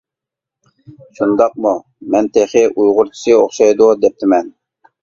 شۇنداقمۇ؟ مەن تېخى ئۇيغۇرچىسى ئوخشايدۇ، دەپتىمەن!